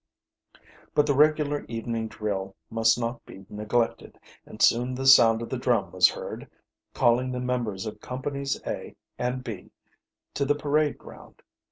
But the regular evening drill must not be neglected, and soon the sound of the drum was heard, calling the members of companies A and B to the parade ground.